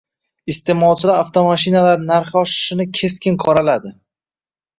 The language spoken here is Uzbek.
Isteʼmolchilar avtomashinalar narxi oshishini keskin qoraladi.